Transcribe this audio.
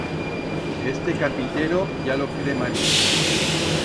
Este capitero ya lo cremarí.